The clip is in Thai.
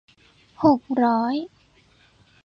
หกร้อย